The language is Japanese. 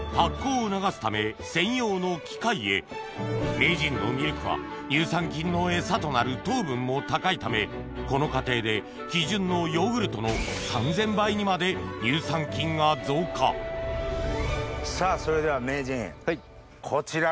名人のミルクは乳酸菌のエサとなる糖分も高いためこの過程で基準のヨーグルトの３０００倍にまで乳酸菌が増加それでは名人こちらが？